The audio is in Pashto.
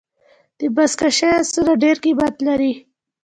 د بزکشۍ آسونه ډېر قیمت لري.